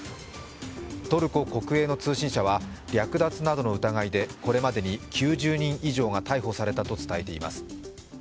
トルコ国営の通信社は略奪などの疑いでこれまでに９０人以上が逮捕されたと伝えています。